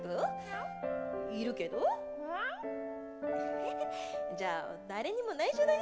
ヘヘッじゃあ誰にもないしょだよ。